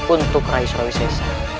untuk rai surawisasa